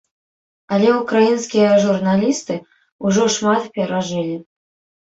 Але ўкраінскія журналісты ўжо шмат перажылі.